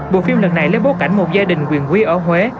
bộ phim lần này lấy bối cảnh một gia đình quyền quý ở huế